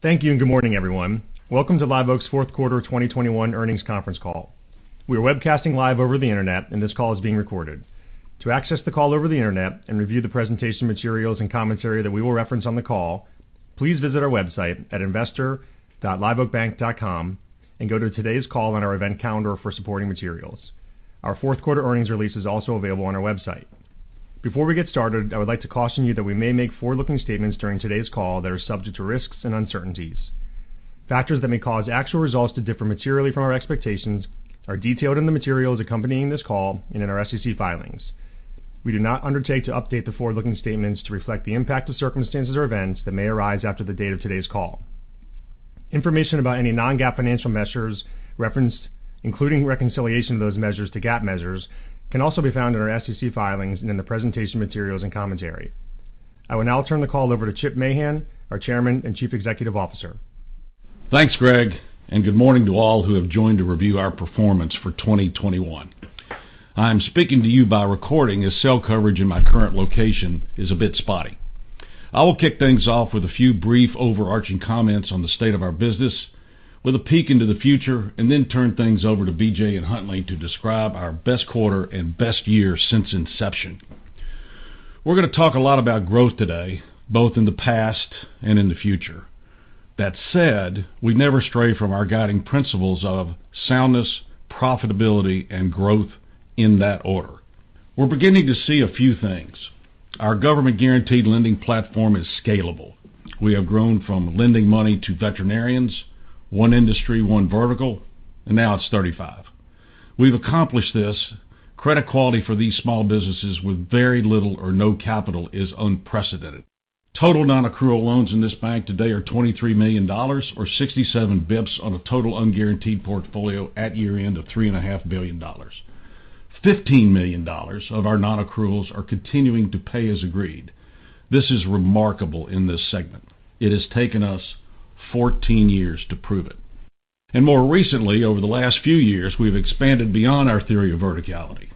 Thank you and good morning, everyone. Welcome to Live Oak's fourth quarter 2021 earnings conference call. We are webcasting live over the internet, and this call is being recorded. To access the call over the internet and review the presentation materials and commentary that we will reference on the call, please visit our website at investor.liveoakbank.com and go to today's call on our event calendar for supporting materials. Our fourth quarter earnings release is also available on our website. Before we get started, I would like to caution you that we may make forward-looking statements during today's call that are subject to risks and uncertainties. Factors that may cause actual results to differ materially from our expectations are detailed in the materials accompanying this call and in our SEC filings. We do not undertake to update the forward-looking statements to reflect the impact of circumstances or events that may arise after the date of today's call. Information about any non-GAAP financial measures referenced, including reconciliation of those measures to GAAP measures, can also be found in our SEC filings and in the presentation materials and commentary. I will now turn the call over to Chip Mahan, our Chairman and Chief Executive Officer. Thanks, Greg, and good morning to all who have joined to review our performance for 2021. I am speaking to you by recording as cell coverage in my current location is a bit spotty. I will kick things off with a few brief overarching comments on the state of our business with a peek into the future and then turn things over to BJ and Huntley to describe our best quarter and best year since inception. We're gonna talk a lot about growth today, both in the past and in the future. That said, we never stray from our guiding principles of soundness, profitability, and growth in that order. We're beginning to see a few things. Our government-guaranteed lending platform is scalable. We have grown from lending money to veterinarians, one industry, one vertical, and now it's 35. We've accomplished this. Credit quality for these small businesses with very little or no capital is unprecedented. Total non-accrual loans in this bank today are $23 million or 67 basis points on a total unguaranteed portfolio at year-end of three and a half billion dollars. $15 million of our non-accruals are continuing to pay as agreed. This is remarkable in this segment. It has taken us 14 years to prove it. More recently, over the last few years, we've expanded beyond our theory of verticality.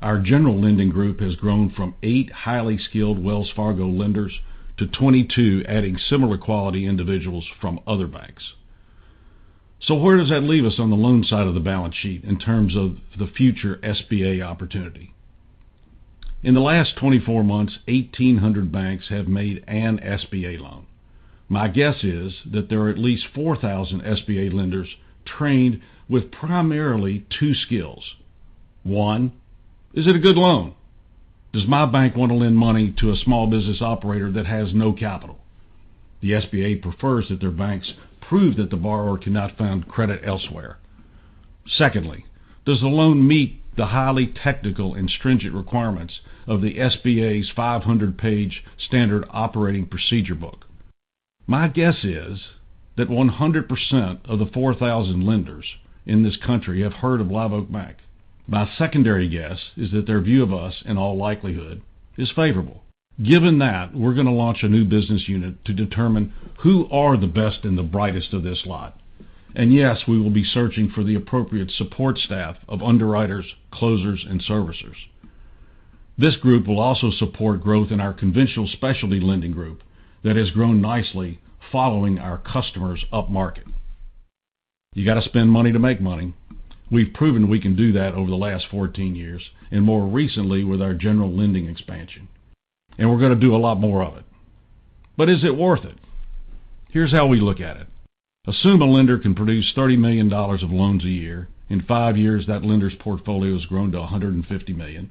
Our general lending group has grown from eight highly skilled Wells Fargo lenders to 22, adding similar quality individuals from other banks. Where does that leave us on the loan side of the balance sheet in terms of the future SBA opportunity? In the last 24 months, 1,800 banks have made an SBA loan. My guess is that there are at least 4,000 SBA lenders trained with primarily two skills. One, is it a good loan? Does my bank want to lend money to a small business operator that has no capital? The SBA prefers that their banks prove that the borrower cannot find credit elsewhere. Secondly, does the loan meet the highly technical and stringent requirements of the SBA's 500-page standard operating procedure book? My guess is that 100% of the 4,000 lenders in this country have heard of Live Oak Bank. My secondary guess is that their view of us, in all likelihood, is favorable. Given that, we're gonna launch a new business unit to determine who are the best and the brightest of this lot. Yes, we will be searching for the appropriate support staff of underwriters, closers, and servicers. This group will also support growth in our conventional specialty lending group that has grown nicely following our customers upmarket. You got to spend money to make money. We've proven we can do that over the last 14 years and more recently with our general lending expansion, and we're gonna do a lot more of it. Is it worth it? Here's how we look at it. Assume a lender can produce $30 million of loans a year. In five years, that lender's portfolio has grown to $150 million.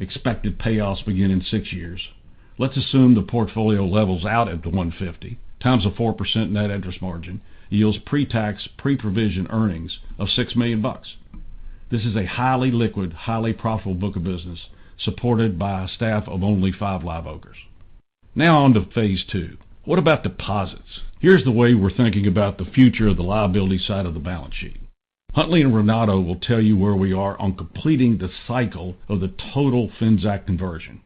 Expected payoffs begin in six years. Let's assume the portfolio levels out at the 150 times a 4% net interest margin yields pre-tax, pre-provision earnings of $6 million. This is a highly liquid, highly profitable book of business supported by a staff of only five Live Oakers. Now on to phase II. What about deposits? Here's the way we're thinking about the future of the liability side of the balance sheet. Huntley and Renato will tell you where we are on completing the cycle of the total FinTech conversion.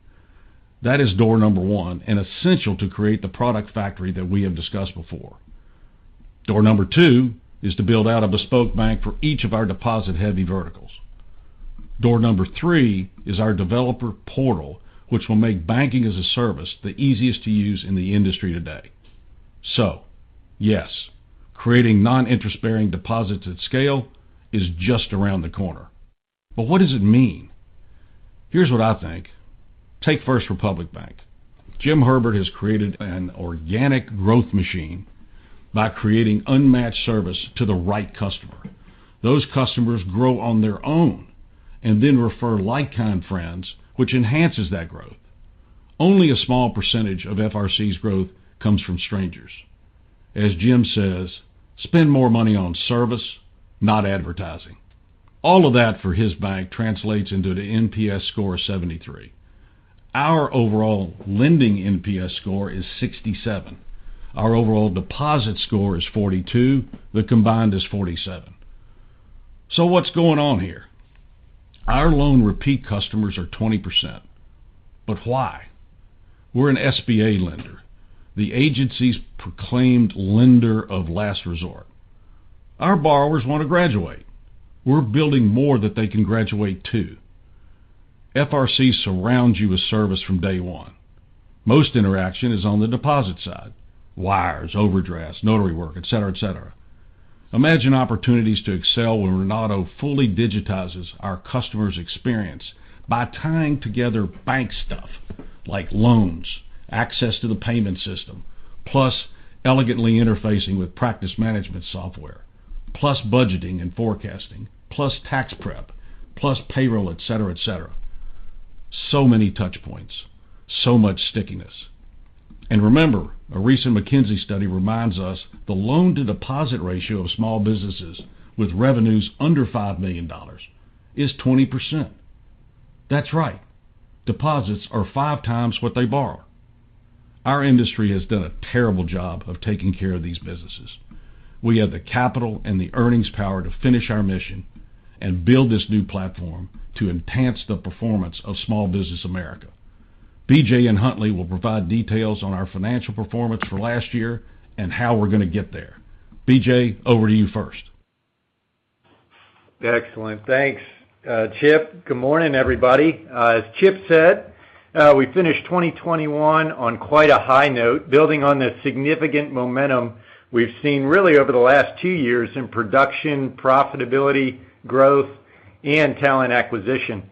That is door number one and essential to create the product factory that we have discussed before. Door number two is to build out a bespoke bank for each of our deposit-heavy verticals. Door number three is our developer portal, which will make banking as a service the easiest to use in the industry today. Yes, creating non-interest-bearing deposits at scale is just around the corner. What does it mean? Here's what I think. Take First Republic Bank. Jim Herbert has created an organic growth machine by creating unmatched service to the right customer. Those customers grow on their own and then refer like-kind friends, which enhances that growth. Only a small percentage of FRC's growth comes from strangers. As Jim says, "Spend more money on service, not advertising." All of that for his bank translates into the NPS score of 73. Our overall lending NPS score is 67. Our overall deposit score is 42. The combined is 47. What's going on here? Our loan repeat customers are 20%. Why? We're an SBA lender, the agency's proclaimed lender of last resort. Our borrowers want to graduate. We're building more that they can graduate to. FRC surrounds you with service from day one. Most interaction is on the deposit side, wires, overdrafts, notary work, et cetera, et cetera. Imagine opportunities to excel when Renato fully digitizes our customer's experience by tying together bank stuff like loans, access to the payment system, plus elegantly interfacing with practice management software, plus budgeting and forecasting, plus tax prep, plus payroll, et cetera, et cetera. So many touch points, so much stickiness. Remember, a recent McKinsey study reminds us the loan-to-deposit ratio of small businesses with revenues under $5 million is 20%. That's right. Deposits are five times what they borrow. Our industry has done a terrible job of taking care of these businesses. We have the capital and the earnings power to finish our mission and build this new platform to enhance the performance of small business America. BJ and Huntley will provide details on our financial performance for last year and how we're gonna get there. BJ, over to you first. Excellent. Thanks, Chip. Good morning, everybody. As Chip said, we finished 2021 on quite a high note, building on the significant momentum we've seen really over the last two years in production, profitability, growth, and talent acquisition.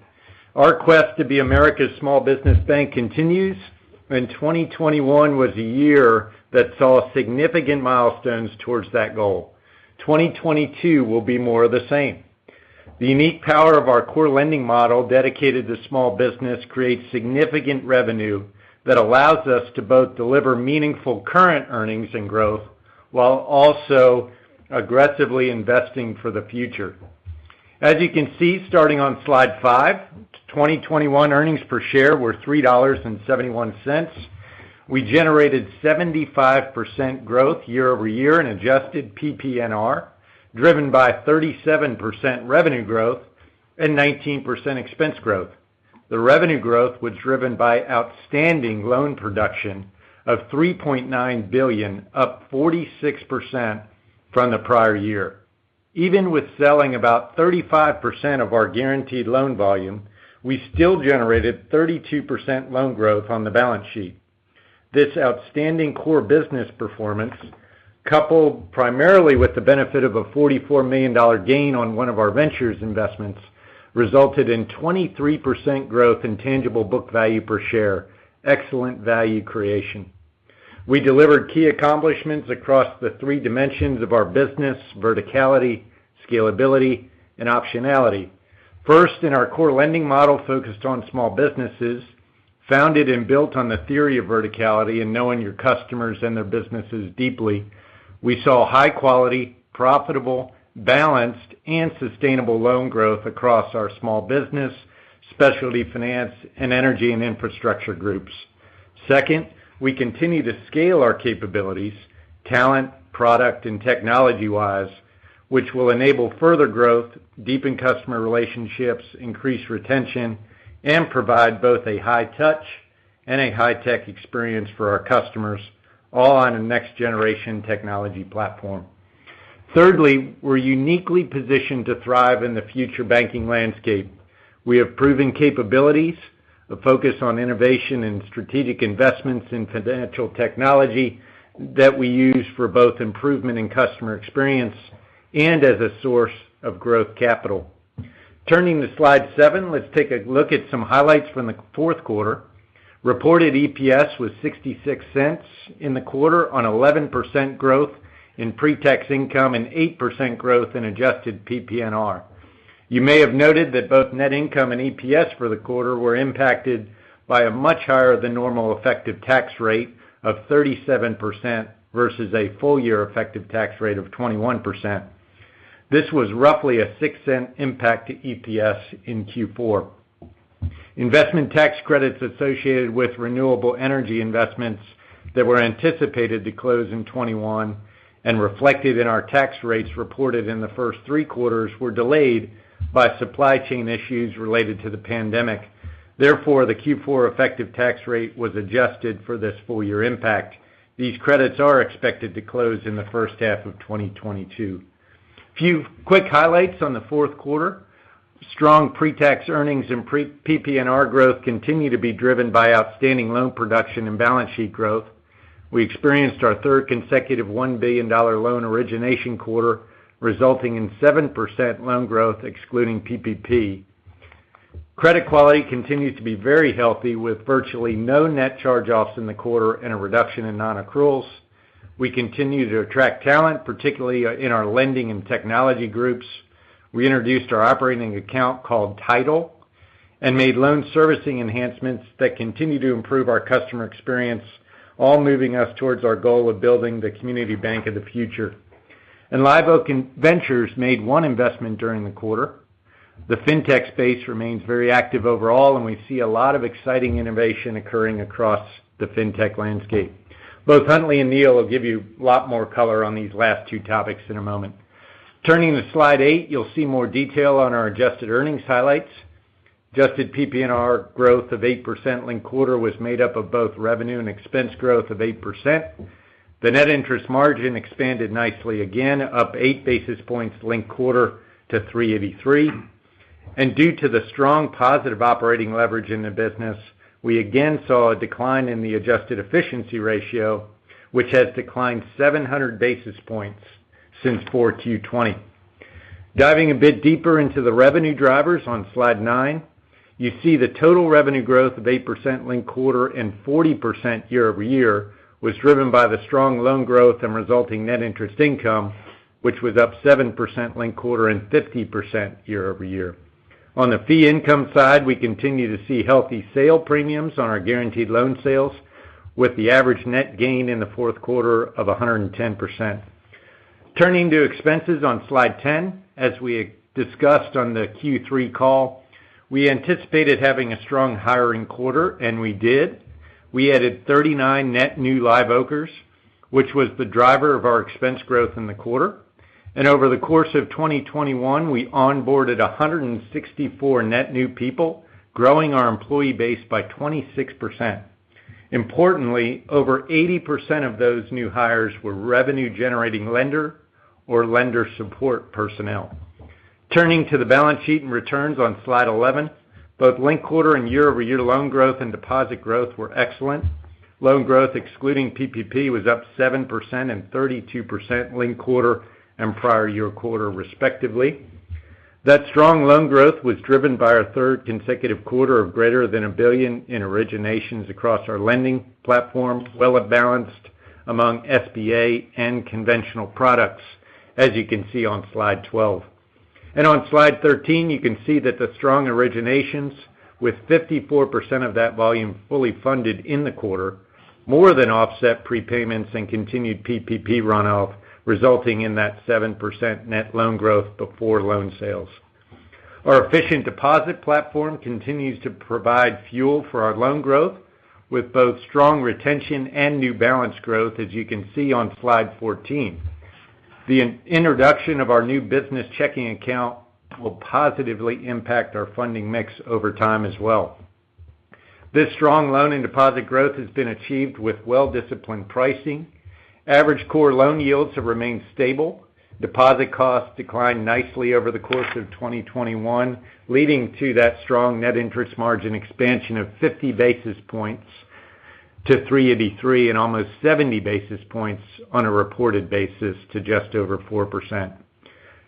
Our quest to be America's small business bank continues, and 2021 was a year that saw significant milestones towards that goal. 2022 will be more of the same. The unique power of our core lending model dedicated to small business creates significant revenue that allows us to both deliver meaningful current earnings and growth while also aggressively investing for the future. As you can see, starting on slide five, 2021 earnings per share were $3.71. We generated 75% growth year-over-year in adjusted PPNR, driven by 37% revenue growth and 19% expense growth. The revenue growth was driven by outstanding loan production of $3.9 billion, up 46% from the prior year. Even with selling about 35% of our guaranteed loan volume, we still generated 32% loan growth on the balance sheet. This outstanding core business performance, coupled primarily with the benefit of a $44 million gain on one of our ventures investments, resulted in 23% growth in tangible book value per share, excellent value creation. We delivered key accomplishments across the three dimensions of our business, verticality, scalability, and optionality. First, in our core lending model focused on small businesses, founded and built on the theory of verticality and knowing your customers and their businesses deeply, we saw high quality, profitable, balanced, and sustainable loan growth across our small business, specialty finance, and energy and infrastructure groups. Second, we continue to scale our capabilities, talent, product, and technology-wise, which will enable further growth, deepen customer relationships, increase retention, and provide both a high touch and a high tech experience for our customers, all on a next generation technology platform. Thirdly, we're uniquely positioned to thrive in the future banking landscape. We have proven capabilities, a focus on innovation and strategic investments in financial technology that we use for both improvement in customer experience and as a source of growth capital. Turning to slide seven, let's take a look at some highlights from the fourth quarter. Reported EPS was $0.66 in the quarter on 11% growth in pre-tax income and 8% growth in adjusted PPNR. You may have noted that both net income and EPS for the quarter were impacted by a much higher than normal effective tax rate of 37% versus a full-year effective tax rate of 21%. This was roughly a $0.06 impact to EPS in Q4. Investment tax credits associated with renewable energy investments that were anticipated to close in 2021 and reflected in our tax rates reported in the first three quarters were delayed by supply chain issues related to the pandemic. Therefore, the Q4 effective tax rate was adjusted for this full-year impact. These credits are expected to close in the first half of 2022. A few quick highlights on the fourth quarter. Strong pre-tax earnings and pre-PPNR growth continue to be driven by outstanding loan production and balance sheet growth. We experienced our third consecutive $1 billion loan origination quarter, resulting in 7% loan growth excluding PPP. Credit quality continues to be very healthy with virtually no net charge-offs in the quarter and a reduction in non-accruals. We continue to attract talent, particularly in our lending and technology groups. We introduced our operating account called Tidal and made loan servicing enhancements that continue to improve our customer experience, all moving us towards our goal of building the community bank of the future. Live Oak Ventures made one investment during the quarter. The fintech space remains very active overall, and we see a lot of exciting innovation occurring across the fintech landscape. Both Huntley and Neil will give you a lot more color on these last two topics in a moment. Turning to slide eight, you'll see more detail on our adjusted earnings highlights. Adjusted PPNR growth of 8% linked quarter was made up of both revenue and expense growth of 8%. The net interest margin expanded nicely again, up 8 basis points linked quarter to 3.83. Due to the strong positive operating leverage in the business, we again saw a decline in the adjusted efficiency ratio, which has declined 700 basis points since 4Q 2020. Diving a bit deeper into the revenue drivers on slide nine, you see the total revenue growth of 8% linked quarter and 40% year-over-year was driven by the strong loan growth and resulting net interest income, which was up 7% linked quarter and 50% year-over-year. On the fee income side, we continue to see healthy sale premiums on our guaranteed loan sales, with the average net gain in the fourth quarter of 110%. Turning to expenses on slide 10, as we discussed on the Q3 call, we anticipated having a strong hiring quarter, and we did. We added 39 net new Live Oakers, which was the driver of our expense growth in the quarter. Over the course of 2021, we onboarded 164 net new people, growing our employee base by 26%. Importantly, over 80% of those new hires were revenue-generating lender or lender support personnel. Turning to the balance sheet and returns on slide 11, both linked quarter and year-over-year loan growth and deposit growth were excellent. Loan growth, excluding PPP, was up 7% and 32% linked quarter and prior-year quarter, respectively. That strong loan growth was driven by our third consecutive quarter of greater than $1 billion in originations across our lending platform, well balanced among SBA and conventional products, as you can see on slide 12. On slide 13, you can see that the strong originations, with 54% of that volume fully funded in the quarter, more than offset prepayments and continued PPP runoff, resulting in that 7% net loan growth before loan sales. Our efficient deposit platform continues to provide fuel for our loan growth with both strong retention and new balance growth, as you can see on slide 14. The introduction of our new business checking account will positively impact our funding mix over time as well. This strong loan and deposit growth has been achieved with well-disciplined pricing. Average core loan yields have remained stable. Deposit costs declined nicely over the course of 2021, leading to that strong net interest margin expansion of 50 basis points to 383 and almost 70 basis points on a reported basis to just over 4%.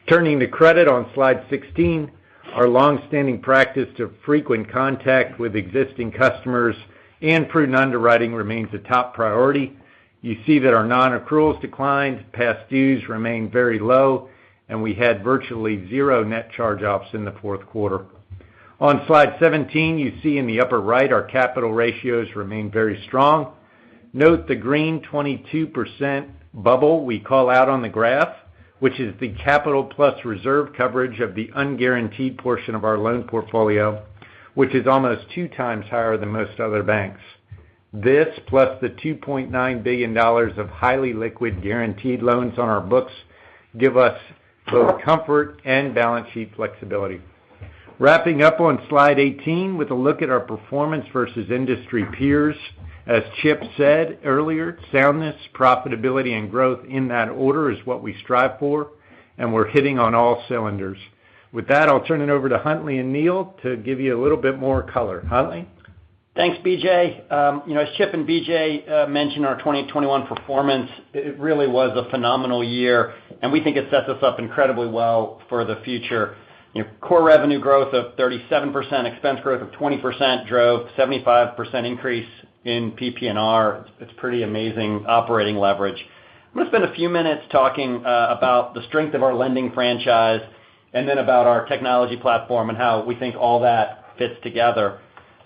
Turning to credit on slide 16, our long-standing practice of frequent contact with existing customers and prudent underwriting remains a top priority. You see that our non-accruals declined, past dues remained very low, and we had virtually zero net charge-offs in the fourth quarter. On slide 17, you see in the upper right our capital ratios remain very strong. Note the green 22% bubble we call out on the graph, which is the capital plus reserve coverage of the unguaranteed portion of our loan portfolio, which is almost two times higher than most other banks. This plus the $2.9 billion of highly liquid guaranteed loans on our books give us both comfort and balance sheet flexibility. Wrapping up on slide 18 with a look at our performance versus industry peers. As Chip said earlier, soundness, profitability and growth in that order is what we strive for, and we're hitting on all cylinders. With that, I'll turn it over to Huntley and Neil to give you a little bit more color. Huntley? Thanks, BJ. You know, as Chip and BJ mentioned our 2021 performance, it really was a phenomenal year, and we think it sets us up incredibly well for the future. Core revenue growth of 37%, expense growth of 20% drove 75% increase in PPNR. It's pretty amazing operating leverage. I'm gonna spend a few minutes talking about the strength of our lending franchise and then about our technology platform and how we think all that fits together.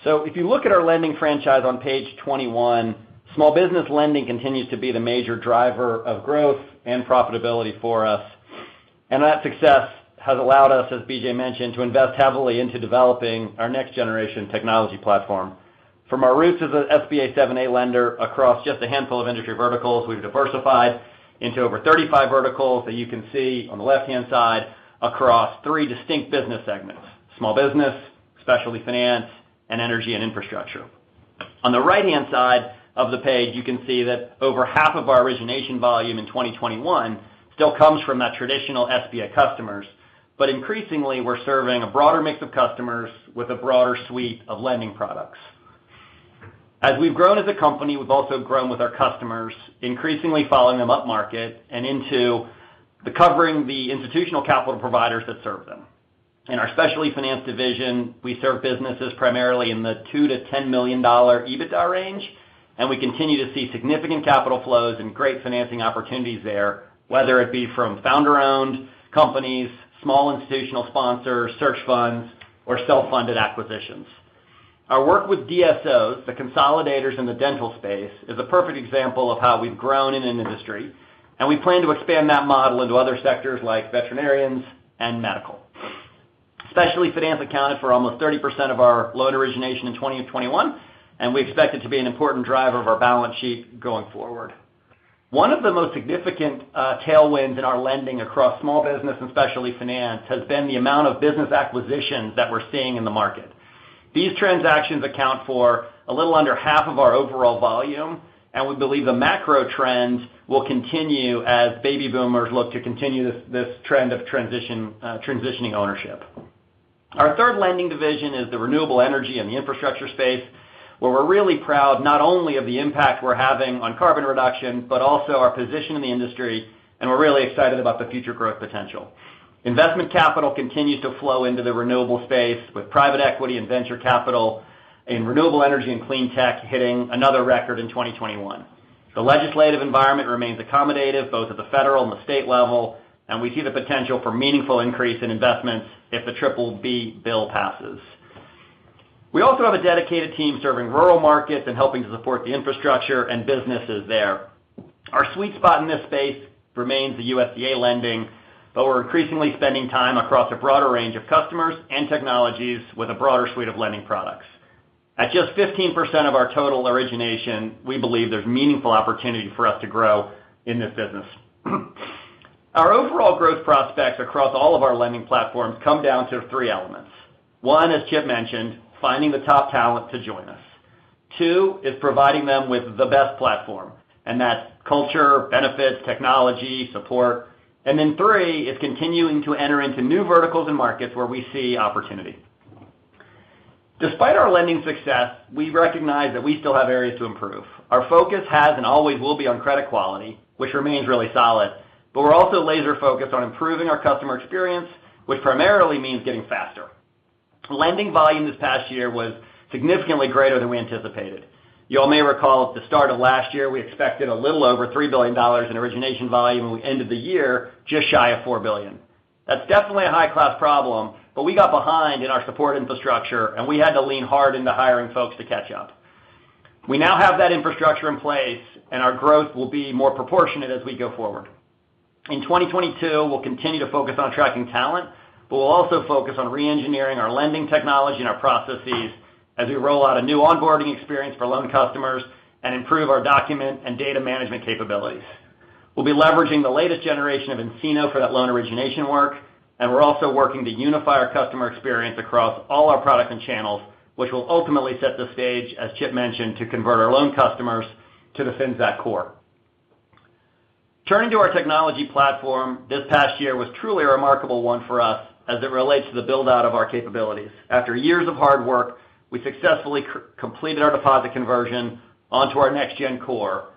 If you look at our lending franchise on page 21, small business lending continues to be the major driver of growth and profitability for us. That success has allowed us, as BJ mentioned, to invest heavily into developing our next generation technology platform. From our roots as an SBA 7(a) lender across just a handful of industry verticals, we've diversified into over 35 verticals that you can see on the left-hand side across three distinct business segments, small business, specialty finance, and energy and infrastructure. On the right-hand side of the page, you can see that over half of our origination volume in 2021 still comes from that traditional SBA customers. Increasingly, we're serving a broader mix of customers with a broader suite of lending products. As we've grown as a company, we've also grown with our customers, increasingly following them upmarket and covering the institutional capital providers that serve them. In our specialty finance division, we serve businesses primarily in the $2 million-$10 million EBITDA range, and we continue to see significant capital flows and great financing opportunities there, whether it be from founder-owned companies, small institutional sponsors, search funds, or self-funded acquisitions. Our work with DSOs, the consolidators in the dental space, is a perfect example of how we've grown in an industry, and we plan to expand that model into other sectors like veterinarians and medical. Specialty finance accounted for almost 30% of our loan origination in 2021, and we expect it to be an important driver of our balance sheet going forward. One of the most significant tailwinds in our lending across small business and specialty finance has been the amount of business acquisitions that we're seeing in the market. These transactions account for a little under half of our overall volume, and we believe the macro trends will continue as baby boomers look to continue this trend of transition, transitioning ownership. Our third lending division is the renewable energy and the infrastructure space, where we're really proud not only of the impact we're having on carbon reduction, but also our position in the industry, and we're really excited about the future growth potential. Investment capital continues to flow into the renewable space with private equity and venture capital in renewable energy and clean tech hitting another record in 2021. The legislative environment remains accommodative both at the federal and the state level, and we see the potential for meaningful increase in investments if the BBB bill passes. We also have a dedicated team serving rural markets and helping to support the infrastructure and businesses there. Our sweet spot in this space remains the USDA lending, but we're increasingly spending time across a broader range of customers and technologies with a broader suite of lending products. At just 15% of our total origination, we believe there's meaningful opportunity for us to grow in this business. Our overall growth prospects across all of our lending platforms come down to three elements. One, as Chip mentioned, finding the top talent to join us. Two is providing them with the best platform, and that's culture, benefits, technology, support. Three is continuing to enter into new verticals and markets where we see opportunity. Despite our lending success, we recognize that we still have areas to improve. Our focus has and always will be on credit quality, which remains really solid, but we're also laser-focused on improving our customer experience, which primarily means getting faster. Lending volume this past year was significantly greater than we anticipated. You all may recall at the start of last year, we expected a little over $3 billion in origination volume, and we ended the year just shy of $4 billion. That's definitely a high-class problem, but we got behind in our support infrastructure, and we had to lean hard into hiring folks to catch up. We now have that infrastructure in place, and our growth will be more proportionate as we go forward. In 2022, we'll continue to focus on attracting talent, but we'll also focus on reengineering our lending technology and our processes as we roll out a new onboarding experience for loan customers and improve our document and data management capabilities. We'll be leveraging the latest generation of nCino for that loan origination work, and we're also working to unify our customer experience across all our products and channels, which will ultimately set the stage, as Chip mentioned, to convert our loan customers to the FinXact core. Turning to our technology platform, this past year was truly a remarkable one for us as it relates to the build-out of our capabilities. After years of hard work, we successfully completed our deposit conversion onto our next-gen core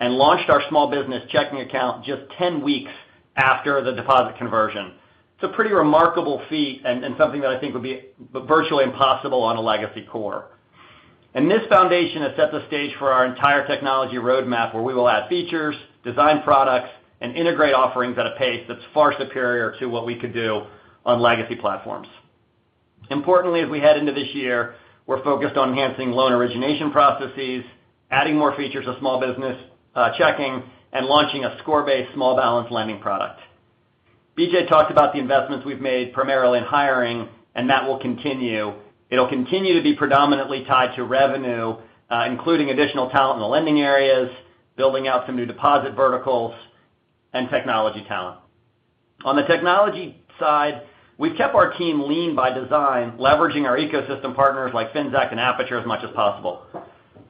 and launched our small business checking account just 10 weeks after the deposit conversion. It's a pretty remarkable feat and something that I think would be virtually impossible on a legacy core. This foundation has set the stage for our entire technology roadmap, where we will add features, design products, and integrate offerings at a pace that's far superior to what we could do on legacy platforms. Importantly, as we head into this year, we're focused on enhancing loan origination processes, adding more features to small business checking, and launching a score-based small balance lending product. BJ talked about the investments we've made primarily in hiring, and that will continue. It'll continue to be predominantly tied to revenue, including additional talent in the lending areas, building out some new deposit verticals and technology talent. On the technology side, we've kept our team lean by design, leveraging our ecosystem partners like Finxact and Apiture as much as possible.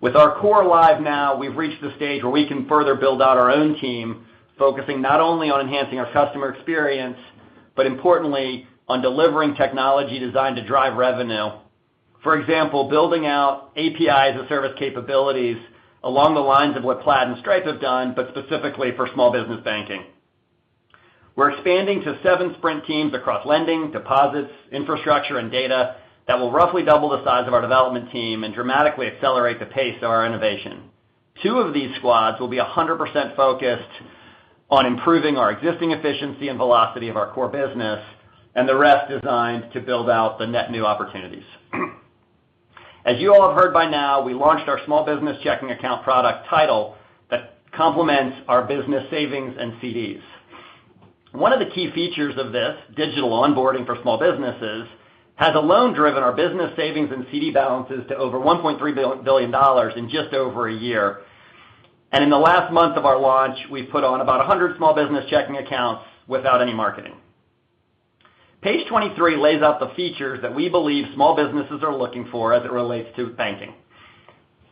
With our core live now, we've reached the stage where we can further build out our own team, focusing not only on enhancing our customer experience, but importantly on delivering technology designed to drive revenue. For example, building out APIs as service capabilities along the lines of what Plaid and Stripe have done, but specifically for small business banking. We're expanding to seven sprint teams across lending, deposits, infrastructure, and data that will roughly double the size of our development team and dramatically accelerate the pace of our innovation. Two of these squads will be 100% focused on improving our existing efficiency and velocity of our core business, and the rest designed to build out the net new opportunities. As you all have heard by now, we launched our small business checking account product Tidal that complements our business savings and CDs. One of the key features of this digital onboarding for small businesses has alone driven our business savings and CD balances to over $1.3 billion in just over a year. In the last month of our launch, we've put on about 100 small business checking accounts without any marketing. Page 23 lays out the features that we believe small businesses are looking for as it relates to banking.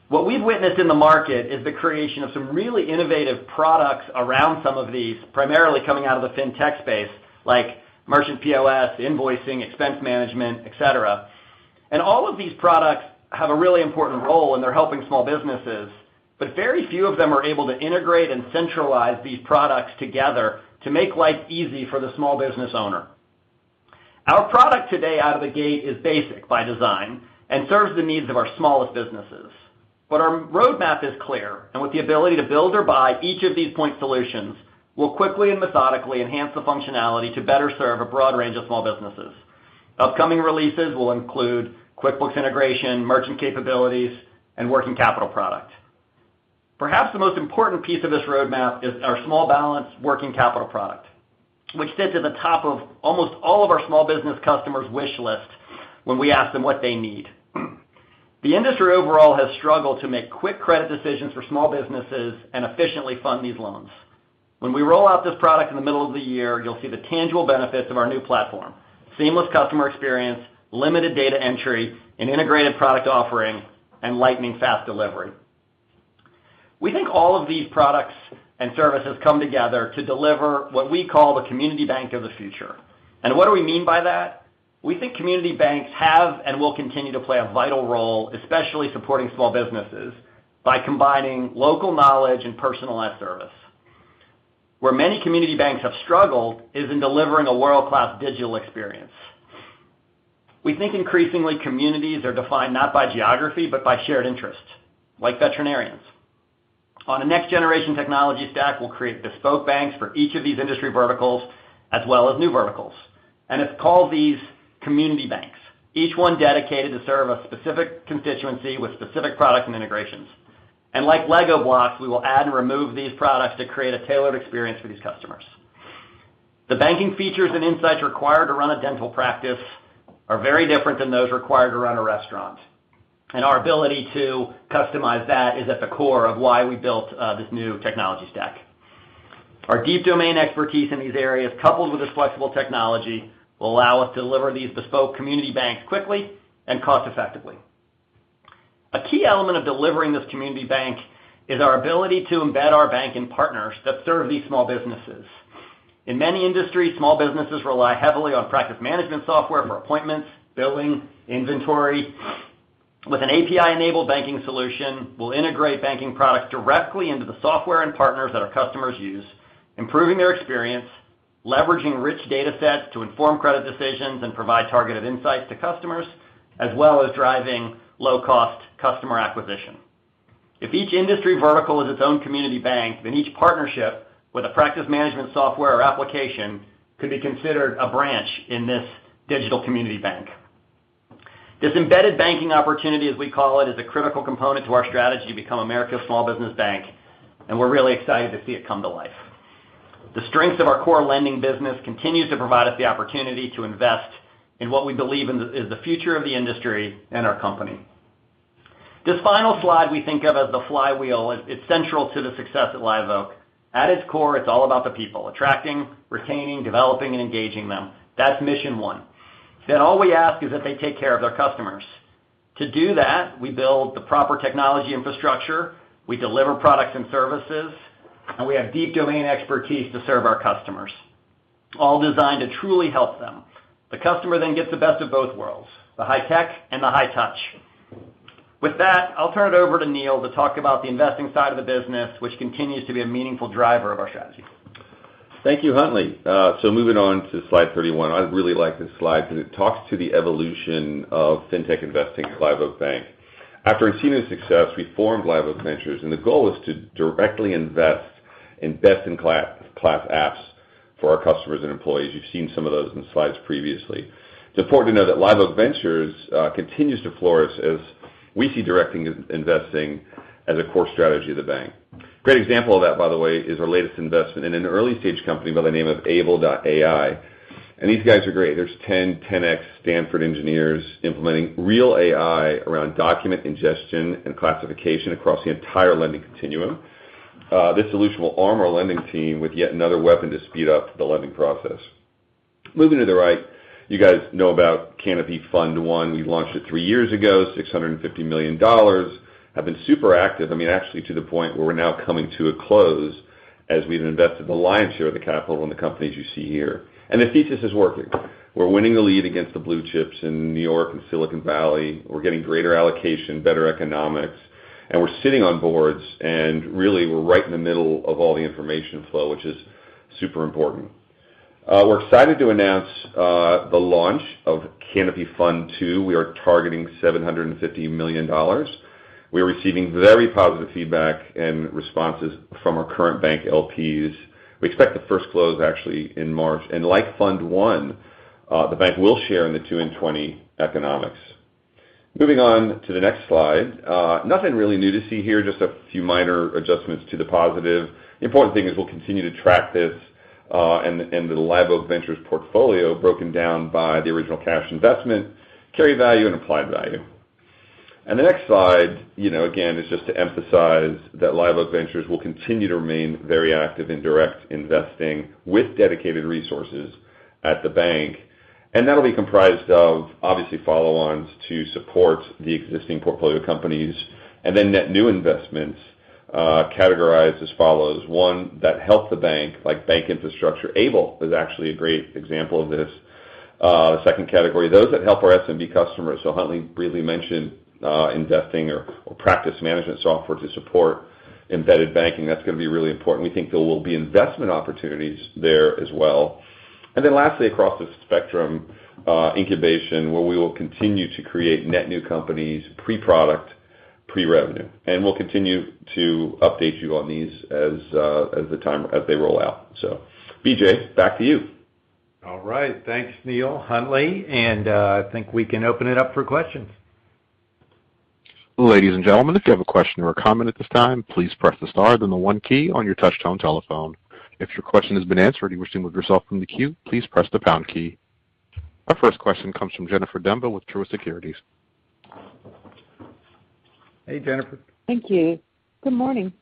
What we've witnessed in the market is the creation of some really innovative products around some of these, primarily coming out of the fintech space, like merchant POS, invoicing, expense management, et cetera. All of these products have a really important role, and they're helping small businesses, but very few of them are able to integrate and centralize these products together to make life easy for the small business owner. Our product today out of the gate is basic by design and serves the needs of our smallest businesses. Our roadmap is clear, and with the ability to build or buy each of these point solutions, we'll quickly and methodically enhance the functionality to better serve a broad range of small businesses. Upcoming releases will include QuickBooks integration, merchant capabilities, and working capital product. Perhaps the most important piece of this roadmap is our small balance working capital product, which sits at the top of almost all of our small business customers' wish list when we ask them what they need. The industry overall has struggled to make quick credit decisions for small businesses and efficiently fund these loans. When we roll out this product in the middle of the year, you'll see the tangible benefits of our new platform, seamless customer experience, limited data entry, an integrated product offering, and lightning-fast delivery. We think all of these products and services come together to deliver what we call the community bank of the future. What do we mean by that? We think community banks have and will continue to play a vital role, especially supporting small businesses, by combining local knowledge and personalized service. Where many community banks have struggled is in delivering a world-class digital experience. We think increasingly communities are defined not by geography but by shared interests, like veterinarians. On a next-generation technology stack, we'll create bespoke banks for each of these industry verticals, as well as new verticals, and it's called these community banks, each one dedicated to serve a specific constituency with specific products and integrations. Like LEGO blocks, we will add and remove these products to create a tailored experience for these customers. The banking features and insights required to run a dental practice are very different than those required to run a restaurant, and our ability to customize that is at the core of why we built this new technology stack. Our deep domain expertise in these areas, coupled with this flexible technology, will allow us to deliver these bespoke community banks quickly and cost-effectively. A key element of delivering this community bank is our ability to embed our bank in partners that serve these small businesses. In many industries, small businesses rely heavily on practice management software for appointments, billing, inventory. With an API-enabled banking solution, we'll integrate banking products directly into the software and partners that our customers use, improving their experience, leveraging rich data sets to inform credit decisions and provide targeted insights to customers, as well as driving low-cost customer acquisition. If each industry vertical is its own community bank, then each partnership with a practice management software or application could be considered a branch in this digital community bank. This embedded banking opportunity, as we call it, is a critical component to our strategy to become America's small business bank, and we're really excited to see it come to life. The strengths of our core lending business continues to provide us the opportunity to invest in what we believe is the future of the industry and our company. This final slide we think of as the flywheel. It's central to the success at Live Oak. At its core, it's all about the people, attracting, retaining, developing, and engaging them. That's mission one. All we ask is that they take care of their customers. To do that, we build the proper technology infrastructure, we deliver products and services, and we have deep domain expertise to serve our customers, all designed to truly help them. The customer then gets the best of both worlds, the high tech and the high touch. With that, I'll turn it over to Neil to talk about the investing side of the business, which continues to be a meaningful driver of our strategy. Thank you, Huntley. So moving on to slide 31. I really like this slide because it talks to the evolution of fintech investing at Live Oak Bank. After nCino's success, we formed Live Oak Ventures, and the goal is to directly invest in best-in-class apps for our customers and employees. You've seen some of those in slides previously. It's important to know that Live Oak Ventures continues to flourish as we see direct investing as a core strategy of the bank. Great example of that, by the way, is our latest investment in an early-stage company by the name of Able, and these guys are great. There are 10 10x Stanford engineers implementing real AI around document ingestion and classification across the entire lending continuum. This solution will arm our lending team with yet another weapon to speed up the lending process. Moving to the right, you guys know about Canapi Fund I. We launched it three years ago, $650 million. We've been super active, I mean, actually to the point where we're now coming to a close as we've invested the lion's share of the capital in the companies you see here, and the thesis is working. We're winning the lead against the blue chips in New York and Silicon Valley. We're getting greater allocation, better economics, and we're sitting on boards, and really, we're right in the middle of all the information flow, which is super important. We're excited to announce the launch of Canapi Fund II. We are targeting $750 million. We're receiving very positive feedback and responses from our current bank LPs. We expect to first close actually in March, and like Fund I, the bank will share in the 2020 economics. Moving on to the next slide. Nothing really new to see here, just a few minor adjustments to the positive. The important thing is we'll continue to track this, and the Live Oak Ventures portfolio broken down by the original cash investment, carry value, and applied value. The next slide, you know, again, is just to emphasize that Live Oak Ventures will continue to remain very active in direct investing with dedicated resources at the bank, and that'll be comprised of obviously follow-ons to support the existing portfolio companies and then net new investments, categorized as follows: one that helps the bank, like bank infrastructure. Abe is actually a great example of this. Second category, those that help our SMB customers. Huntley briefly mentioned investing or practice management software to support embedded banking. That's gonna be really important. We think there will be investment opportunities there as well. Then lastly, across the spectrum, incubation, where we will continue to create net new companies, pre-product, pre-revenue, and we'll continue to update you on these as they roll out. BJ, back to you. All right. Thanks, Neil, Huntley, and I think we can open it up for questions. Our first question comes from Jennifer Demba with Truist Securities. Hey, Jennifer. Thank you. Good morning.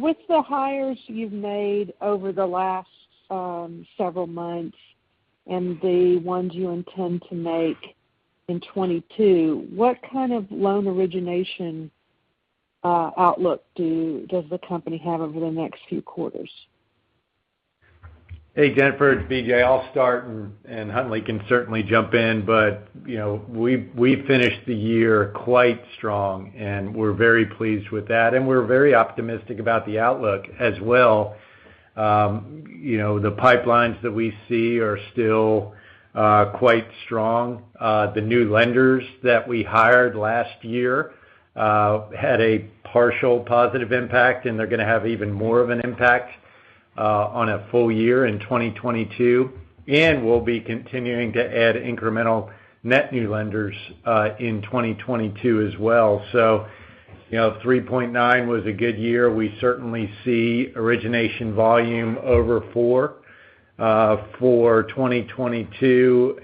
With the hires you've made over the last several months and the ones you intend to make in 2022, what kind of loan origination outlook does the company have over the next few quarters? Hey, Jennifer, it's BJ. I'll start and Huntley can certainly jump in. You know, we finished the year quite strong, and we're very pleased with that. We're very optimistic about the outlook as well. You know, the pipelines that we see are still quite strong. The new lenders that we hired last year had a partial positive impact, and they're gonna have even more of an impact on a full year in 2022. We'll be continuing to add incremental net new lenders in 2022 as well. You know, 3.9 was a good year. We certainly see origination volume over four for 2022.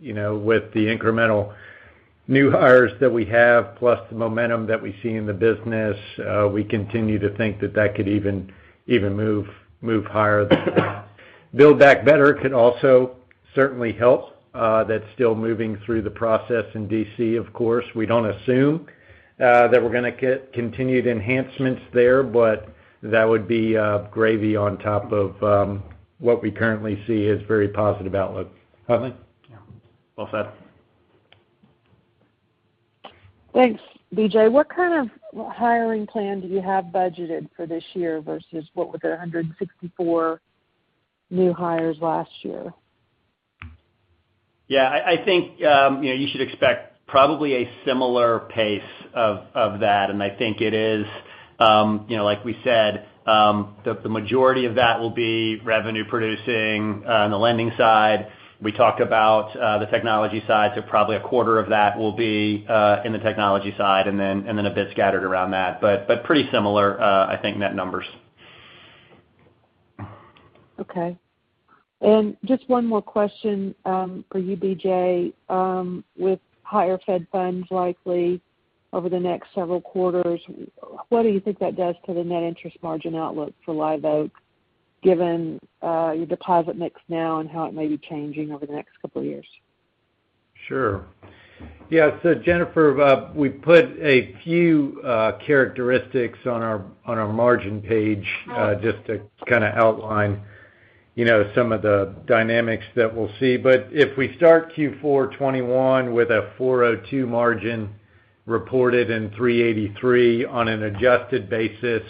You know, with the incremental new hires that we have, plus the momentum that we see in the business, we continue to think that that could even move higher. Build Back Better could also certainly help. That's still moving through the process in D.C., of course. We don't assume that we're gonna get continued enhancements there, but that would be gravy on top of what we currently see as very positive outlook. Huntley? Yeah. Well said. Thanks, BJ. What kind of hiring plan do you have budgeted for this year versus what were the 164 new hires last year? Yeah, I think you know, you should expect probably a similar pace of that. I think it is you know, like we said, the majority of that will be revenue producing on the lending side. We talked about the technology side, so probably a quarter of that will be in the technology side and then a bit scattered around that. Pretty similar, I think net numbers. Okay. Just one more question for you, BJ. With higher Fed funds likely over the next several quarters, what do you think that does to the net interest margin outlook for Live Oak, given your deposit mix now and how it may be changing over the next couple of years? Sure. Yeah. Jennifer, we put a few characteristics on our margin page just to kinda outline, you know, some of the dynamics that we'll see. If we start Q4 2021 with a 4.02% margin reported in 3.83% on an adjusted basis,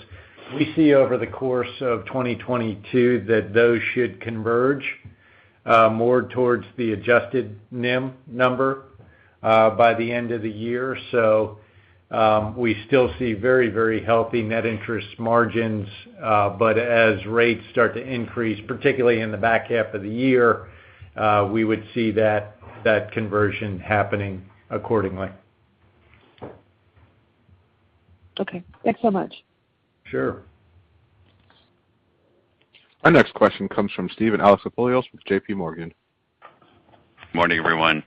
we see over the course of 2022 that those should converge more towards the adjusted NIM number by the end of the year. We still see very, very healthy net interest margins. As rates start to increase, particularly in the back half of the year, we would see that conversion happening accordingly. Okay, thanks so much. Sure. Our next question comes from Steven Alexopoulos with J.P. Morgan. Morning, everyone.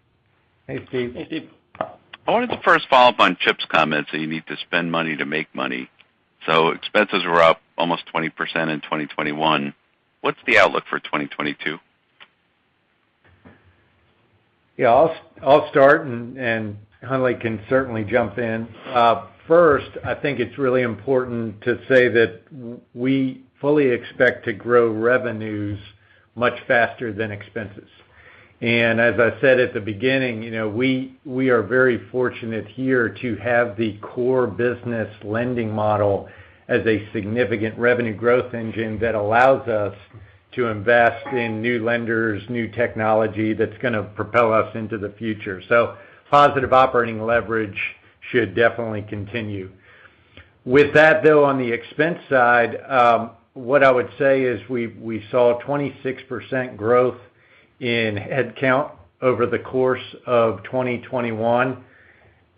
Hey, Steve. Hey, Steve. I wanted to first follow up on Chip's comments that you need to spend money to make money. Expenses were up almost 20% in 2021. What's the outlook for 2022? Yeah, I'll start and Huntley can certainly jump in. First, I think it's really important to say that we fully expect to grow revenues much faster than expenses. As I said at the beginning, you know, we are very fortunate here to have the core business lending model as a significant revenue growth engine that allows us to invest in new lenders, new technology that's gonna propel us into the future. Positive operating leverage should definitely continue. With that, though, on the expense side, what I would say is we saw a 26% growth in headcount over the course of 2021.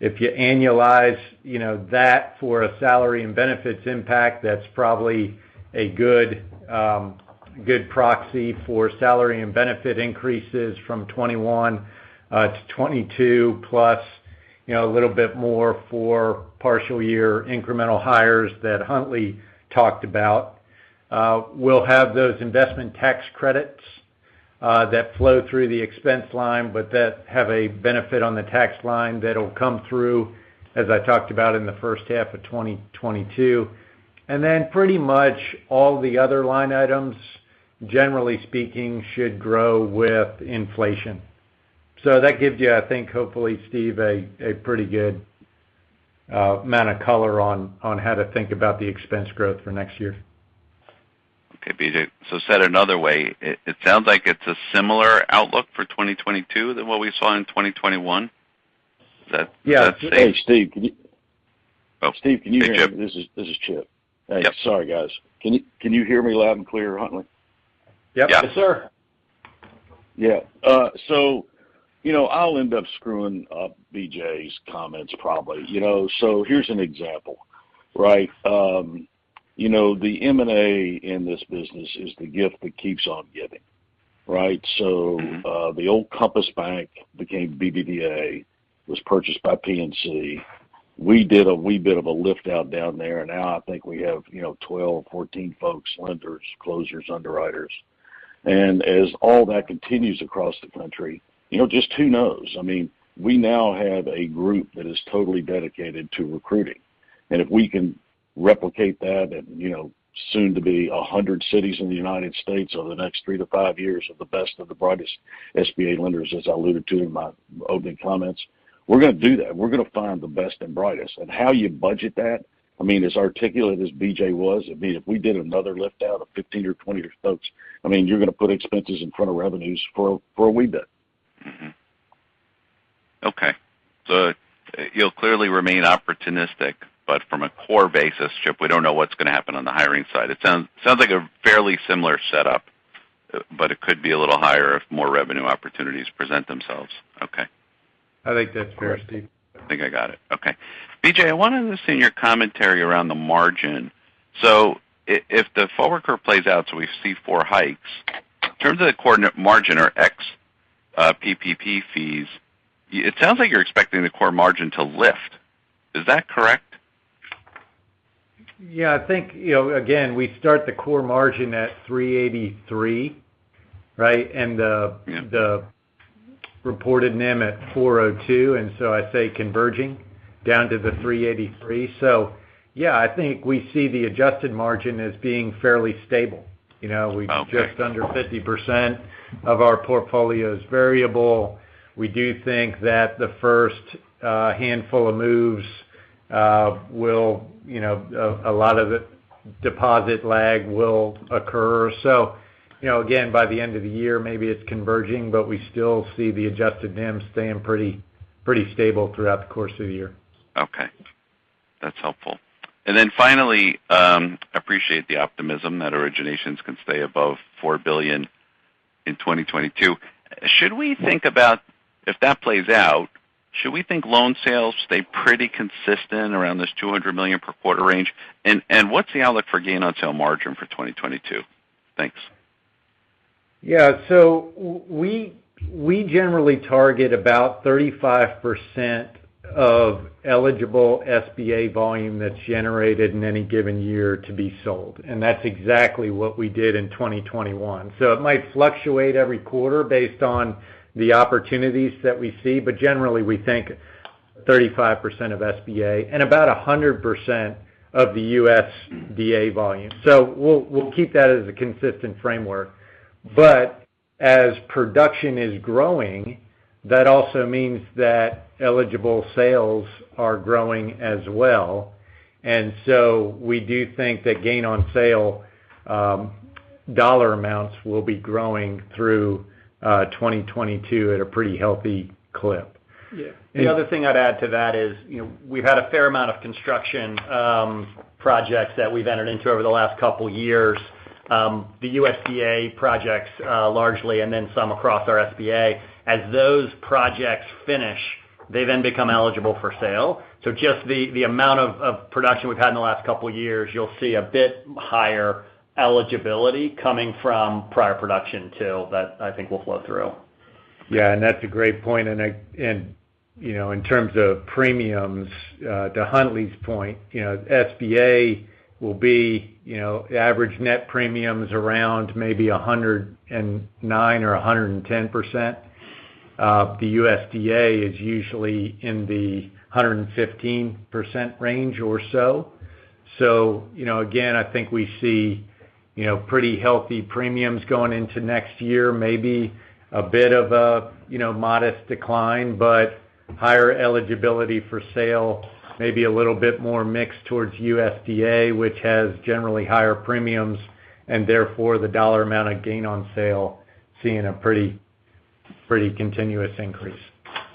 If you annualize, you know, that for a salary and benefits impact, that's probably a good proxy for salary and benefit increases from 2021 to 2022, plus, you know, a little bit more for partial year incremental hires that Huntley talked about. We'll have those investment tax credits that flow through the expense line but that have a benefit on the tax line that'll come through as I talked about in the first half of 2022. Then pretty much all the other line items, generally speaking, should grow with inflation. That gives you, I think, hopefully, Steve, a pretty good amount of color on how to think about the expense growth for next year. Okay, BJ. Said another way, it sounds like it's a similar outlook for 2022 than what we saw in 2021. Is that safe? Yeah. Hey, Steve, can you? Oh. Steve, can you hear me? Hey, Chip. This is Chip. Yep. Sorry, guys. Can you hear me loud and clear, Huntley? Yep. Yeah. Yes, sir. You know, I'll end up screwing up BJ's comments, probably. You know, here's an example, right? You know, the M&A in this business is the gift that keeps on giving, right? The old Compass Bank became BBVA, was purchased by PNC. We did a wee bit of a lift out down there, and now I think we have, you know, 12, 14 folks, lenders, closers, underwriters. As all that continues across the country, you know, just who knows? I mean, we now have a group that is totally dedicated to recruiting. If we can replicate that and, you know, soon to be 100 cities in the United States over the next three to five years of the best of the brightest SBA lenders, as I alluded to in my opening comments, we're gonna do that. We're gonna find the best and brightest. How you budget that, I mean, as articulate as BJ was, I mean, if we did another lift out of 15 or 20 folks, I mean, you're gonna put expenses in front of revenues for a wee bit. Mm-hmm. Okay. You'll clearly remain opportunistic, but from a core basis, Chip, we don't know what's gonna happen on the hiring side. It sounds like a fairly similar setup, but it could be a little higher if more revenue opportunities present themselves. Okay. I think that's fair, Steve. I think I got it. Okay. BJ, I wanted to listen to your commentary around the margin. If the forward curve plays out so we see four hikes, in terms of the core margin or ex PPP fees, it sounds like you're expecting the core margin to lift. Is that correct? Yeah, I think, you know, again, we start the core margin at 3.83%, right? Yeah. The reported NIM at 4.02%, and so I say converging down to the 3.83%. Yeah, I think we see the adjusted margin as being fairly stable. You know Okay. We've just under 50% of our portfolio is variable. We do think that the first handful of moves will, you know, a lot of it, deposit lag will occur. You know, again, by the end of the year, maybe it's converging, but we still see the adjusted NIM staying pretty stable throughout the course of the year. Okay. That's helpful. Then finally, I appreciate the optimism that originations can stay above $4 billion in 2022. Should we think about, if that plays out, should we think loan sales stay pretty consistent around this $200 million per quarter range? What's the outlook for gain on sale margin for 2022? Thanks. Yeah. We generally target about 35% of eligible SBA volume that's generated in any given year to be sold. That's exactly what we did in 2021. It might fluctuate every quarter based on the opportunities that we see, but generally, we think 35% of SBA and about 100% of the USDA volume. We'll keep that as a consistent framework. As production is growing, that also means that eligible sales are growing as well. We do think that gain on sale dollar amounts will be growing through 2022 at a pretty healthy clip. Yeah. The other thing I'd add to that is, you know, we've had a fair amount of construction projects that we've entered into over the last couple years, the USDA projects, largely, and then some across our SBA. As those projects finish, they then become eligible for sale. Just the amount of production we've had in the last couple years, you'll see a bit higher eligibility coming from prior production too, that I think will flow through. Yeah. That's a great point. You know, in terms of premiums, to Huntley's point, you know, SBA will be, you know, average net premium is around maybe 109 or 110%. The USDA is usually in the 115% range or so. You know, again, I think we see, you know, pretty healthy premiums going into next year, maybe a bit of a, you know, modest decline, but higher eligibility for sale, maybe a little bit more mixed towards USDA, which has generally higher premiums, and therefore the dollar amount of gain on sale seeing a pretty continuous increase.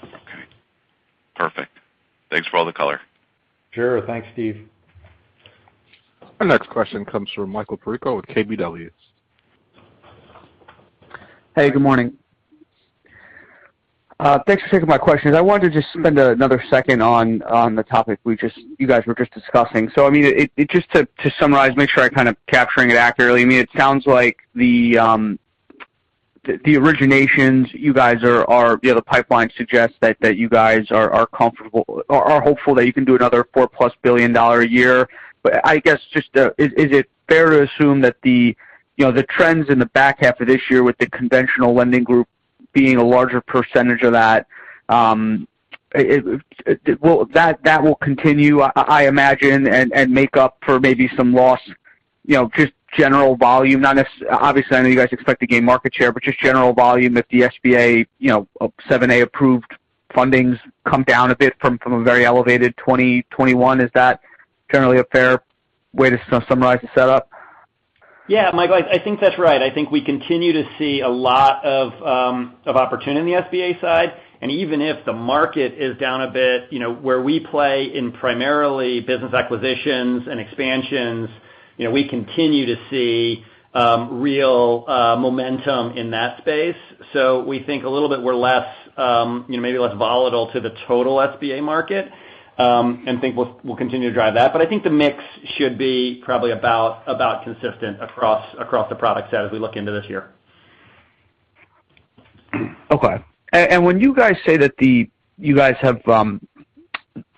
Okay. Perfect. Thanks for all the color. Sure. Thanks, Steve. Our next question comes from Michael Perito with KBW. Hey, good morning. Thanks for taking my questions. I wanted to just spend another second on the topic you guys were just discussing. I mean, it just to summarize, make sure I'm kind of capturing it accurately. I mean, it sounds like the originations you guys are, you know, the pipeline suggests that you guys are comfortable or are hopeful that you can do another $4+ billion a year. I guess just, is it fair to assume that the trends in the back half of this year with the conventional lending group being a larger percentage of that, it will continue, I imagine, and make up for maybe some loss, you know, just general volume? Obviously, I know you guys expect to gain market share, but just general volume if the SBA 7(a) approved fundings come down a bit from a very elevated 2021. Is that generally a fair way to summarize the setup? Yeah, Michael, I think that's right. I think we continue to see a lot of opportunity on the SBA side. Even if the market is down a bit, you know, where we play in primarily business acquisitions and expansions You know, we continue to see real momentum in that space. We think a little bit we're less, you know, maybe less volatile to the total SBA market, and think we'll continue to drive that. I think the mix should be probably about consistent across the product set as we look into this year. Okay. When you guys say that you guys have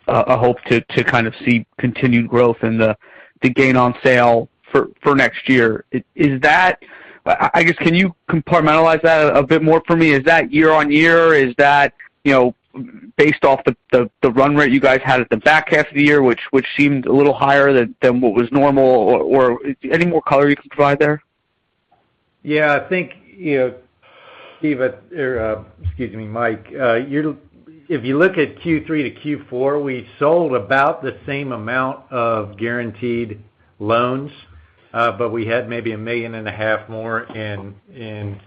a hope to kind of see continued growth in the gain on sale for next year, is that I guess, can you compartmentalize that a bit more for me? Is that year-over-year? Is that, you know, based off the run rate you guys had at the back half of the year, which seemed a little higher than what was normal? Or any more color you can provide there? Yeah. I think, you know, Steve, or excuse me, Michael, if you look at Q3 to Q4, we sold about the same amount of guaranteed loans, but we had maybe $1.5 million more in gain,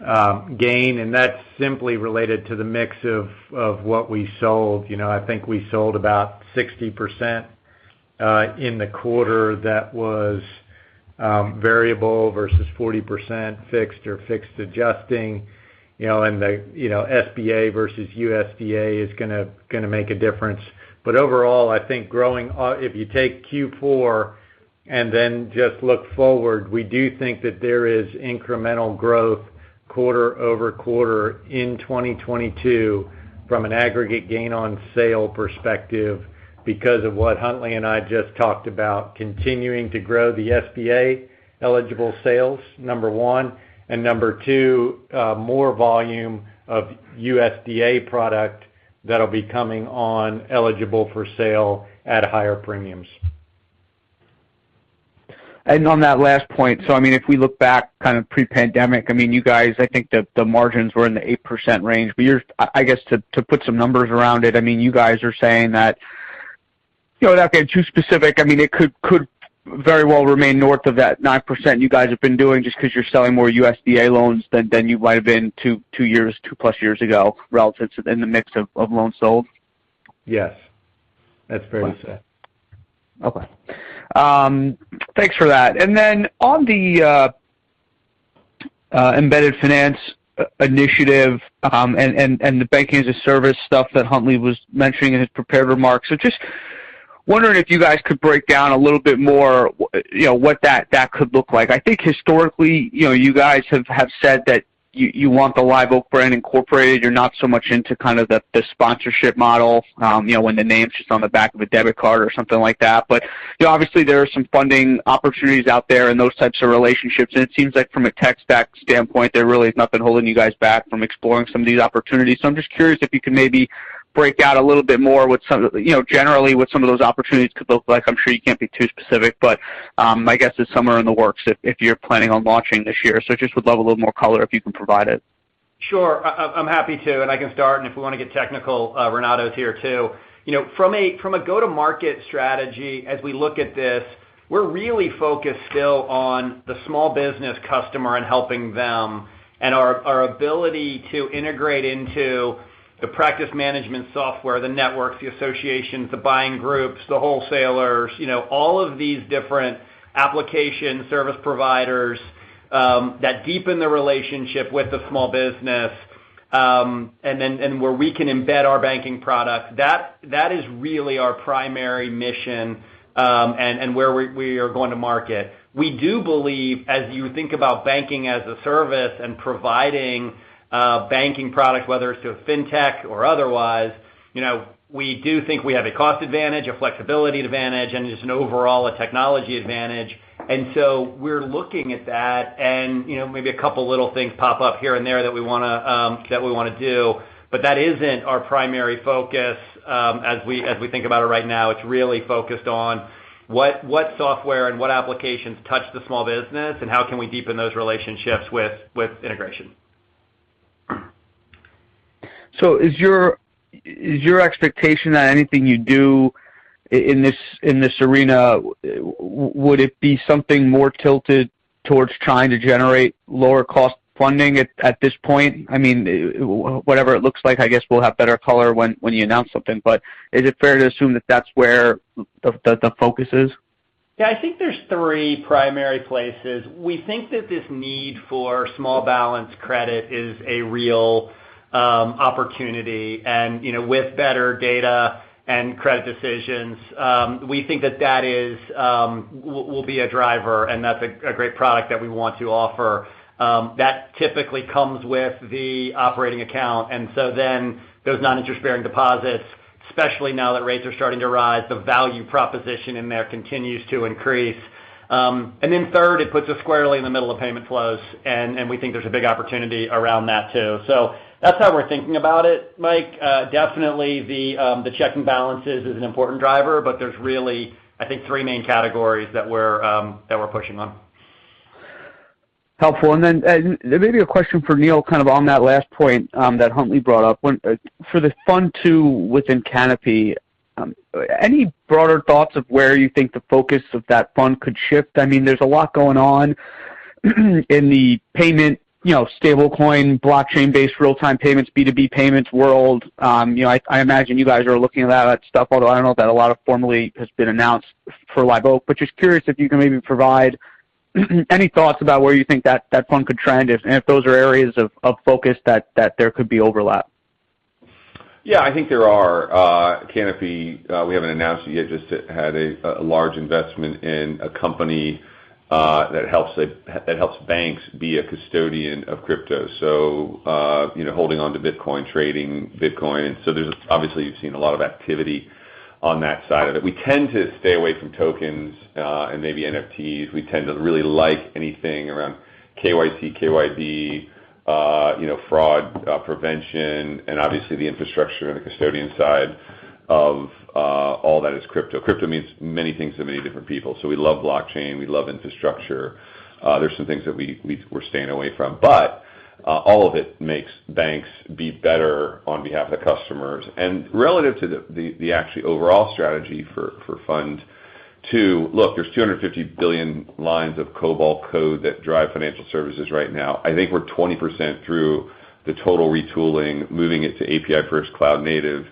and that's simply related to the mix of what we sold. You know, I think we sold about 60% in the quarter that was variable versus 40% fixed or fixed adjusting, you know, and the SBA versus USDA is gonna make a difference. Overall, I think if you take Q4 and then just look forward, we do think that there is incremental growth quarter-over-quarter in 2022 from an aggregate gain on sale perspective because of what Huntley and I just talked about, continuing to grow the SBA-eligible sales, number one, and number two, more volume of USDA product that'll be coming on eligible for sale at higher premiums. On that last point, so, I mean, if we look back kind of pre-pandemic, I mean, you guys, I think the margins were in the 8% range. I guess to put some numbers around it, I mean, you guys are saying that, you know, without getting too specific, I mean, it could very well remain north of that 9% you guys have been doing just 'cause you're selling more USDA loans than you might have been two years, two plus years ago relative to in the mix of loans sold? Yes. That's fair to say. Okay. Thanks for that. Then on the embedded finance initiative and the banking as a service stuff that Huntley was mentioning in his prepared remarks. Just wondering if you guys could break down a little bit more, you know, what that could look like. I think historically, you know, you guys have said that you want the Live Oak brand incorporated. You're not so much into kind of the sponsorship model, you know, when the name's just on the back of a debit card or something like that. Obviously there are some funding opportunities out there in those types of relationships, and it seems like from a tech stack standpoint, there really has nothing holding you guys back from exploring some of these opportunities. I'm just curious if you can maybe break out a little bit more what some of the you know, generally, what some of those opportunities could look like. I'm sure you can't be too specific, but I guess it's somewhere in the works if you're planning on launching this year. I just would love a little more color if you can provide it. Sure. I'm happy to, and I can start, and if we wanna get technical, Renato's here too. You know, from a go-to-market strategy, as we look at this, we're really focused still on the small business customer and helping them and our ability to integrate into the practice management software, the networks, the associations, the buying groups, the wholesalers, you know, all of these different application service providers that deepen the relationship with the small business, and where we can embed our banking product, that is really our primary mission, and where we are going to market. We do believe as you think about banking as a service and providing banking products, whether it's to a fintech or otherwise, you know, we do think we have a cost advantage, a flexibility advantage, and just an overall technology advantage. We're looking at that and, you know, maybe a couple little things pop up here and there that we wanna do. That isn't our primary focus as we think about it right now. It's really focused on what software and what applications touch the small business and how can we deepen those relationships with integration. Is your expectation that anything you do in this arena would it be something more tilted towards trying to generate lower cost funding at this point? I mean, whatever it looks like, I guess we'll have better color when you announce something. Is it fair to assume that that's where the focus is? Yeah. I think there's three primary places. We think that this need for small balance credit is a real opportunity. You know, with better data and credit decisions, we think that that will be a driver, and that's a great product that we want to offer. That typically comes with the operating account. Those non-interest-bearing deposits, especially now that rates are starting to rise, the value proposition in there continues to increase. Third, it puts us squarely in the middle of payment flows, and we think there's a big opportunity around that too. That's how we're thinking about it, Michael. Definitely the checking balances is an important driver, but there's really, I think, three main categories that we're pushing on. Helpful. Maybe a question for Neil kind of on that last point that Huntley brought up. For the Fund II within Canapi, any broader thoughts of where you think the focus of that fund could shift? I mean, there's a lot going on. In the payments, you know, stablecoin, blockchain-based real-time payments, B2B payments world, you know, I imagine you guys are looking at that stuff, although I don't know that a lot of formal has been announced for Live Oak. Just curious if you can maybe provide any thoughts about where you think that fund could trend and if those are areas of focus that there could be overlap. Yeah, I think there are. Canapi, we haven't announced it yet, just had a large investment in a company that helps banks be a custodian of crypto. You know, holding onto Bitcoin, trading Bitcoin. So there's obviously you've seen a lot of activity on that side of it. We tend to stay away from tokens and maybe NFTs. We tend to really like anything around KYC, KYB, you know, fraud prevention and obviously the infrastructure and the custodian side of all that is crypto. Crypto means many things to many different people. We love blockchain, we love infrastructure. There's some things that we're staying away from. All of it makes banks be better on behalf of the customers. Relative to the actually overall strategy for Fund II, look, there's 250 billion lines of COBOL code that drive financial services right now. I think we're 20% through the total retooling, moving it to API first cloud native.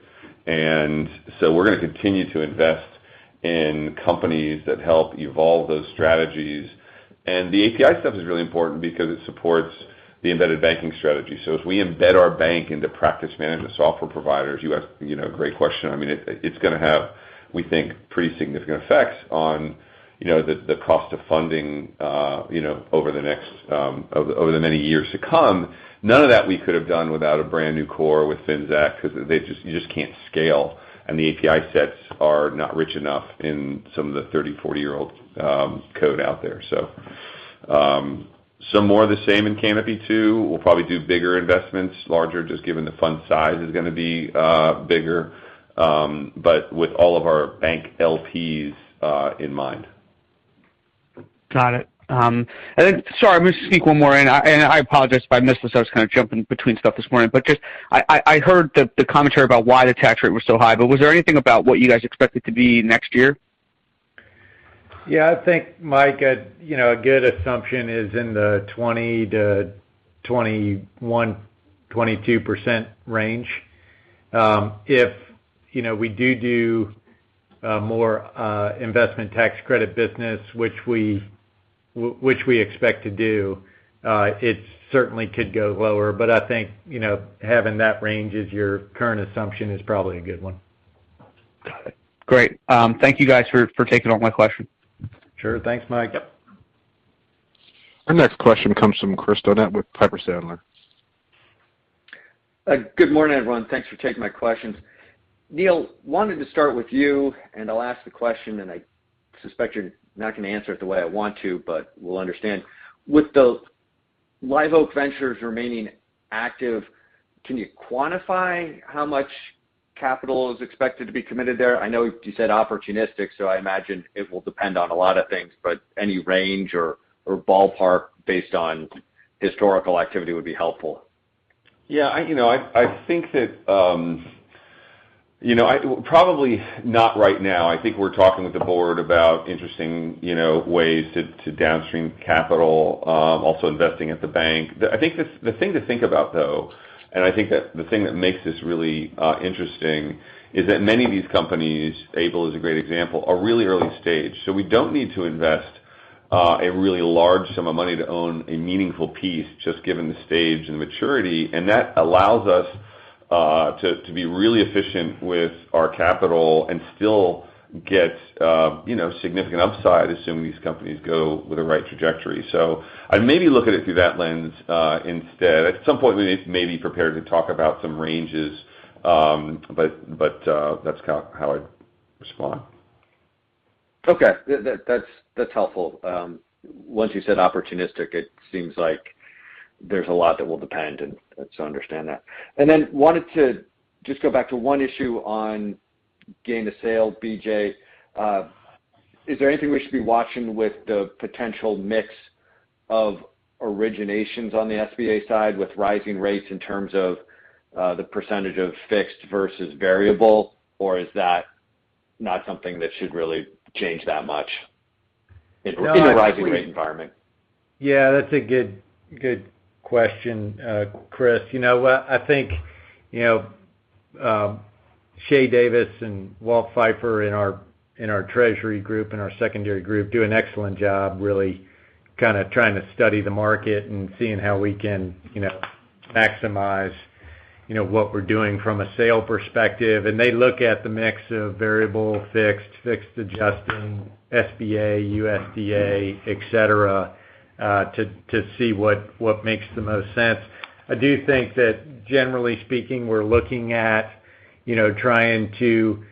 We're gonna continue to invest in companies that help evolve those strategies. The API stuff is really important because it supports the embedded banking strategy. As we embed our bank into practice management software providers, you ask, you know, a great question. I mean, it's gonna have, we think, pretty significant effects on, you know, the cost of funding, you know, over the next, over the many years to come. None of that we could have done without a brand new core with Finxact because you just can't scale, and the API sets are not rich enough in some of the 30- or 40-year-old code out there. Some more of the same in Canapi too. We'll probably do bigger investments, larger, just given the fund size is gonna be bigger, but with all of our bank LPs in mind. Got it. Sorry, I'm gonna sneak one more in. I apologize if I missed this. I was kind of jumping between stuff this morning. I heard the commentary about why the tax rate was so high, but was there anything about what you guys expect it to be next year? Yeah, I think, Michael, you know, a good assumption is in the 20%-21, 22% range. If, you know, we do more investment tax credit business, which we expect to do, it certainly could go lower. I think, you know, having that range as your current assumption is probably a good one. Got it. Great. Thank you guys for taking all my questions. Sure. Thanks, Michael. Yep. Our next question comes from Chris Donat with Piper Sandler. Good morning, everyone. Thanks for taking my questions. Neil, wanted to start with you, and I'll ask the question, and I suspect you're not gonna answer it the way I want to, but we'll understand. With the Live Oak Ventures remaining active, can you quantify how much capital is expected to be committed there? I know you said opportunistic, so I imagine it will depend on a lot of things, but any range or ballpark based on historical activity would be helpful. Yeah. I think that probably not right now. I think we're talking with the board about interesting ways to downstream capital, also investing at the bank. I think the thing to think about, though, is that many of these companies, Abe is a great example, are really early stage. We don't need to invest a really large sum of money to own a meaningful piece just given the stage and maturity. That allows us to be really efficient with our capital and still get significant upside assuming these companies go with the right trajectory. I'd maybe look at it through that lens instead. At some point, we may be prepared to talk about some ranges, but that's kind of how I'd respond. That's helpful. Once you said opportunistic, it seems like there's a lot that will depend, and so understand that. Wanted to just go back to one issue on gain to sale, BJ. Is there anything we should be watching with the potential mix of originations on the SBA side with rising rates in terms of the percentage of fixed versus variable, or is that not something that should really change that much? No, I think we. in a rising rate environment? Yeah, that's a good question, Chris. You know, I think, you know, Shay Davis and Walt Pfeiffer in our treasury group and our secondary group do an excellent job really kinda trying to study the market and seeing how we can, you know, maximize, you know, what we're doing from a sale perspective. They look at the mix of variable, fixed adjusting, SBA, USDA, et cetera, to see what makes the most sense. I do think that generally speaking, we're looking at, you know, trying to,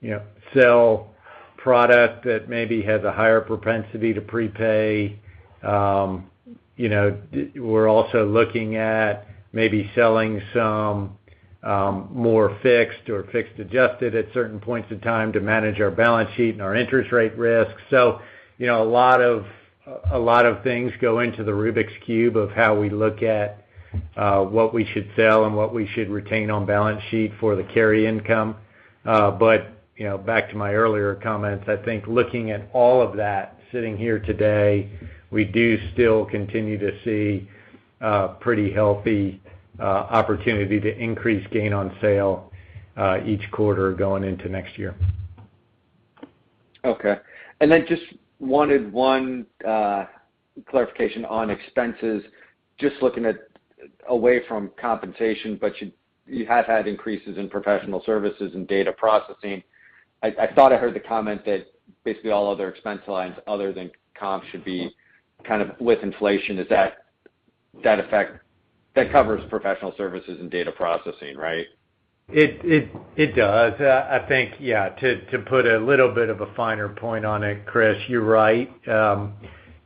you know, sell product that maybe has a higher propensity to prepay. You know, we're also looking at maybe selling some, more fixed or fixed adjusted at certain points in time to manage our balance sheet and our interest rate risk. You know, a lot of things go into the Rubik's cube of how we look at what we should sell and what we should retain on balance sheet for the carry income, but you know, back to my earlier comments, I think looking at all of that sitting here today, we do still continue to see a pretty healthy opportunity to increase gain on sale each quarter going into next year. Okay. Then just wanted one clarification on expenses, just looking away from compensation, but you have had increases in professional services and data processing. I thought I heard the comment that basically all other expense lines other than comp should be kind of with inflation. That covers professional services and data processing, right? It does. I think, yeah, to put a little bit of a finer point on it, Chris, you're right. You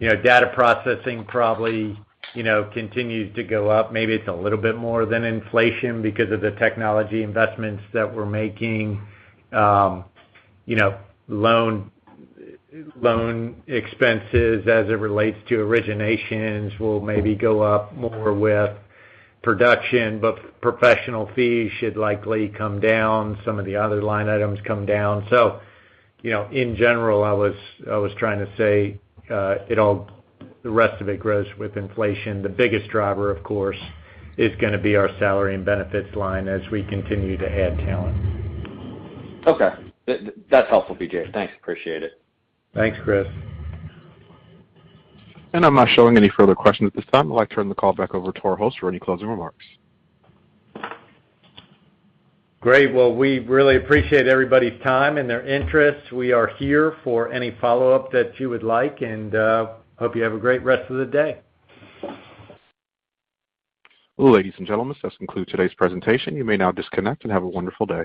know, data processing probably, you know, continues to go up. Maybe it's a little bit more than inflation because of the technology investments that we're making. You know, loan expenses as it relates to originations will maybe go up more with production, but professional fees should likely come down, some of the other line items come down. You know, in general, I was trying to say it all, the rest of it grows with inflation. The biggest driver, of course, is gonna be our salary and benefits line as we continue to add talent. Okay. That's helpful, BJ. Thanks, appreciate it. Thanks, Chris. I'm not showing any further questions at this time. I'd like to turn the call back over to our host for any closing remarks. Great. Well, we really appreciate everybody's time and their interest. We are here for any follow-up that you would like, and hope you have a great rest of the day. Ladies and gentlemen, this does conclude today's presentation. You may now disconnect and have a wonderful day.